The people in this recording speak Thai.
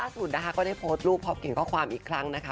สุดนะคะก็ได้โพสต์รูปพร้อมเขียนข้อความอีกครั้งนะคะ